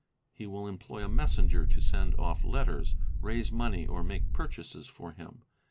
He will employ a messenger to send off letters, raise money, or make purchases for him.